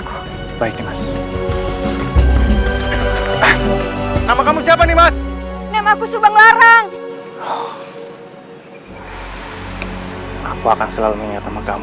kayaknya sudah terlalu berubah